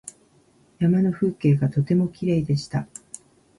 山の風景がとてもきれいでした。